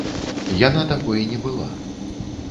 Яна такой не была.